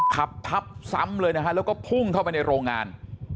ขับทับซ้ำเลยนะฮะแล้วก็พุ่งเข้าไปในโรงงาน